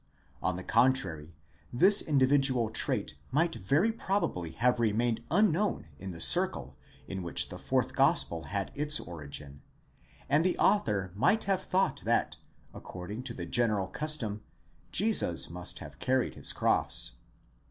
On the contrary, this individual trait might very probably have remained unknown in the circle in which the fourth gospel had its origin, and the author might have thought that, according to the general custom, Jesus must have carried his cross.